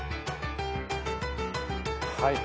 はい。